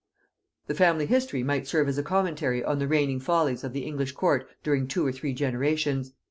The family history might serve as a commentary on the reigning follies of the English court during two or three generations.